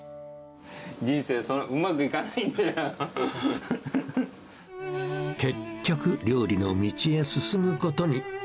人生、そんなうまくいかない結局、料理の道へ進むことに。